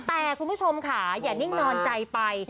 แต่คุณผู้ชมค่ะอย่านิ่งนอนใจไป